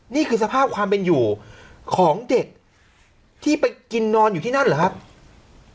นี่คือสภาพความเป็นอยู่ของเด็กที่ไปกินนอนอยู่ที่นั่นเหรอครับ